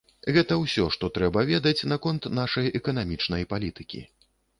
Гэта ўсё, што трэба ведаць наконт нашай эканамічнай палітыкі.